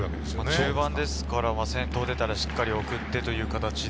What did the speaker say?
中盤ですから、先頭で出たら、しっかり送ってという形で。